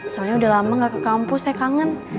soalnya udah lama gak ke kampus saya kangen